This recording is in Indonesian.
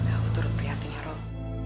aku turut perhatinya rob